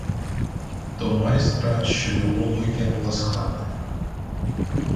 До майстра, що його викинула з хати.